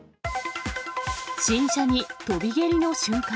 新車に飛び蹴りの瞬間。